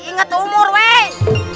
ingat umur weh